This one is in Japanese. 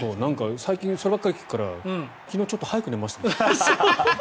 最近そればっかり聞くから昨日ちょっと早く寝ました。